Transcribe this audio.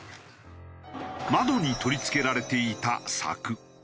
窓に取り付けられていた柵。